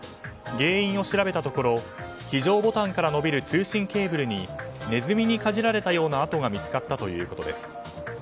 原因を調べたところ非常ボタンから延びる通信ケーブルにネズミにかじられたような跡が見つかったということです。